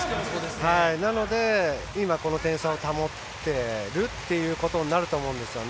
なので、今、この点差を保ってるということになると思うんですね。